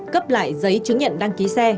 cấp lại giấy chứng nhận đăng ký xe